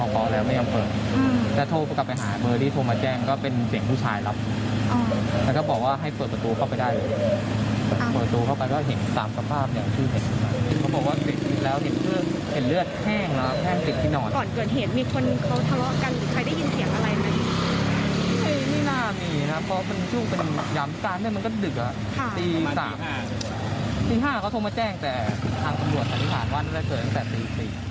ปีสามปีห้าเขาโทรมาแจ้งแต่ทางตำรวจสัมภาษณ์ว่านั้นได้เจอตั้งแต่ปีอีกปี